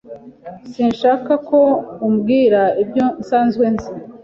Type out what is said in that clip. Sinshaka ko umbwira ibyo nsanzwe nzi.